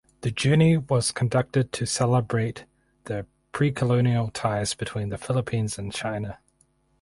The journey was conducted to celebrate the precolonial ties between the Philippines and China.